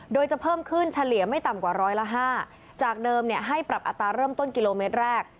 โดยจะเพิ่มขึ้นเฉลี่ยไม่ต่ำกว่าร้อยละ๕จากเดิมให้ปรับอัตราเริ่มต้นกิโลเมตรแรก